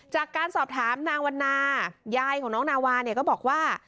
จากการสอบถามนางวันนายายของน้องนาวาเนี่ยก็บอกว่า